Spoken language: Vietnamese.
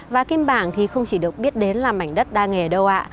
và kim bảng thì không chỉ được biết đến là mảnh đất đa nghề đâu ạ